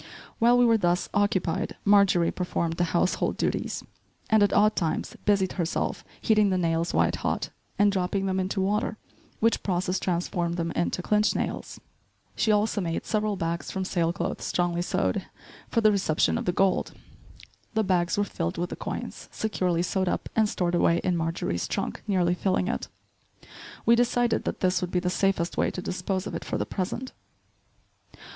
While we were thus occupied Marjorie performed the house hold duties, and, at odd times, busied herself heating the nails white hot, and dropping them into water, which process transformed them into "clinch" nails. She also made several bags from sail cloth strongly sewed, for the reception of the gold. The bags were filled with the coins, securely sewed up and stored away in Marjorie's trunk, nearly filling it. We decided that this would be the safest way to dispose of it for the present.